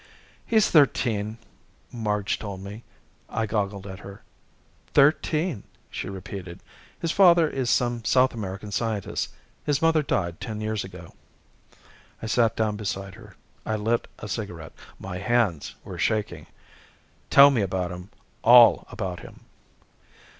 "He's thirteen," Marge told me. I goggled at her. "Thirteen," she repeated. "His father is some South American scientist. His mother died ten years ago." I sat down beside her. I lit a cigarette. My hands were shaking. "Tell me about him. All about him."